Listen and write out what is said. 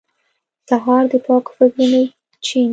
سهار د پاکو فکرونو چین دی.